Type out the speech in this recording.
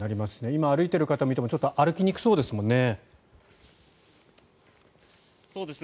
今、歩いている方を見ても少し歩きにくそうですもんね。